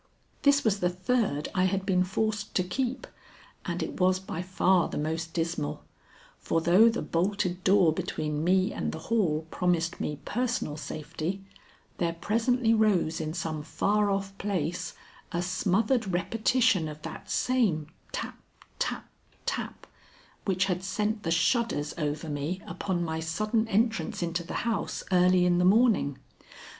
This was the third I had been forced to keep, and it was by far the most dismal; for though the bolted door between me and the hall promised me personal safety, there presently rose in some far off place a smothered repetition of that same tap, tap, tap which had sent the shudders over me upon my sudden entrance into the house early in the morning.